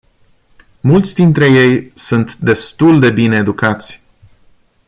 Mulți dintre ei sunt destul de bine educați.